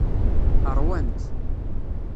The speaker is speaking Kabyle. Ṛwant.